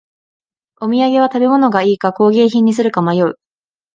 お土産は食べ物がいいか工芸品にするか迷う